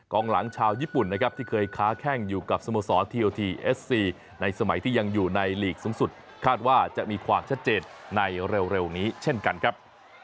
หลังชาวญี่ปุ่นนะครับที่เคยค้าแข้งอยู่กับสโมสรทีโอทีเอสซีในสมัยที่ยังอยู่ในหลีกสูงสุดคาดว่าจะมีความชัดเจนในเร็วนี้เช่นกันครับ